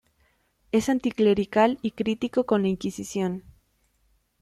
Es anticlerical y crítico con la Inquisición.